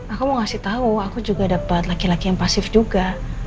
aku mau kasih tau aku juga dapet laki laki yang pasif juga